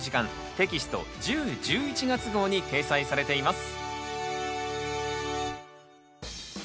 テキスト１０・１１月号に掲載されています。